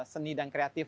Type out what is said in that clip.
seni dan kreatif